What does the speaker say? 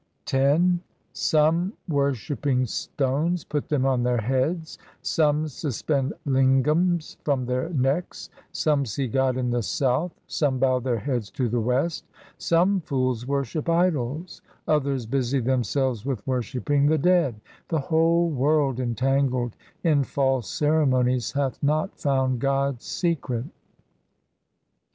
X Some worshipping stones put them on their heads, some suspend lingams from their necks. Some see God in the south, some bow their heads to the west. Some fools worship idols, others busy themselves with worshipping the dead. The whole world entangled in false ceremonies hath not found God's secret.